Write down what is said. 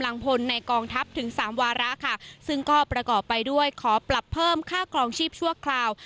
พลในกองทัพถึงสามวาระค่ะซึ่งก็ประกอบไปด้วยขอปรับเพิ่มค่าครองชีพชั่วคราว